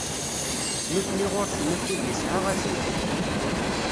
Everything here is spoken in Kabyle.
Nutni ɣur-sen akud yesɛa azal.